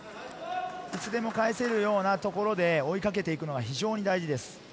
いつでも返せるようなところで追いかけていくのは非常に大事です。